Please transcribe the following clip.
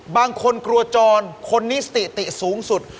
บางคนกลัวจรคนนี้สติติสูงสุด